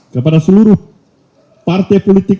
kepada seluruh partai politik